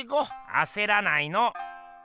あせらないの。